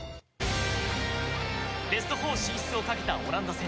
ベスト４進出をかけたオランダ戦。